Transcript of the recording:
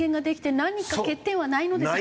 何か欠点はないのですか？